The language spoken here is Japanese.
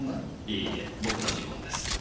いいえ僕の指紋です。